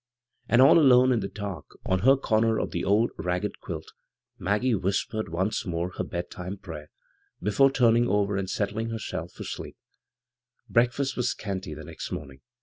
And all alone in the dark on ha comer of the old ragged quilt, Maggie whispered once more her bed time prayer, before turning over and settling herself for sleep. Breakfast was scanty the next morning.